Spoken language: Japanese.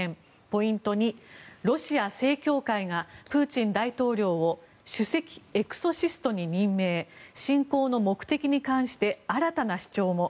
ポイント２ロシア正教会がプーチン大統領を首席エクソシストに任命侵攻の目的に関して新たな主張も。